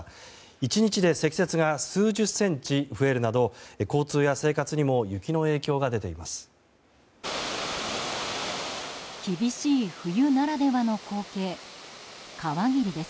１日で積雪が数十センチ増えるなど交通や生活にも雪の影響が出ています。